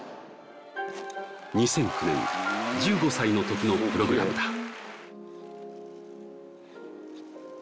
２００９年１５歳の時のプログラムだ